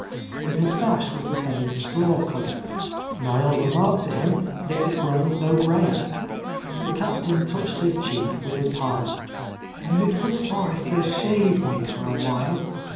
His moustache was the same straw colour; Niel remarked to him that it had grown no grayer. The Captain touched his cheek with his palm. "Mrs. Forrester shaved me for awhile.